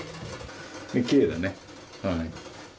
きれいだね。